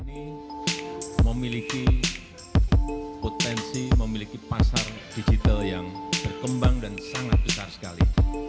ini memiliki potensi memiliki pasar digital yang berkembang dan sangat besar sekali